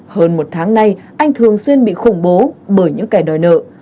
hơn một tháng nay anh thường xuyên bị khủng bố bởi những kẻ đòi nợ